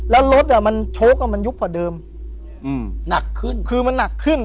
แล้วรถมันโช๊คมันยุบกว่าเดิมหนักขึ้นคือมันหนักขึ้น